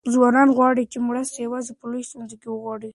ځوانان غواړي مرسته یوازې په لویو ستونزو کې وغواړي.